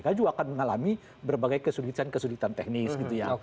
kan juga akan mengalami berbagai kesulitan kesulitan teknis gitu ya